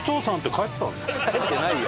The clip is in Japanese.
帰ってないよ。